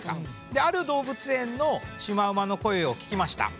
である動物園のシマウマの声を聞きました。